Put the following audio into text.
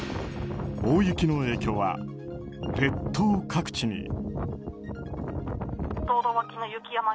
大雪の影響は列島各地に。